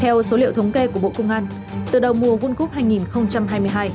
theo số liệu thống kê của bộ công an từ đầu mùa world cup hai nghìn hai mươi hai